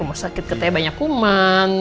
rumah sakit katanya banyak kuman